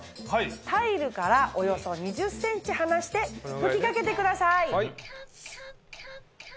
タイルからおよそ２０ｃｍ離して吹きかけてください。